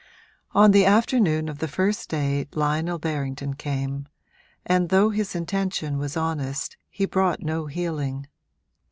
On the afternoon of the first day Lionel Berrington came, and though his intention was honest he brought no healing.